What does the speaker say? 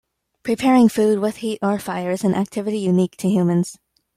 Preparing food with heat or fire is an activity unique to humans.